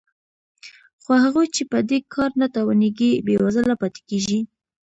خو هغوی چې په دې کار نه توانېږي بېوزله پاتې کېږي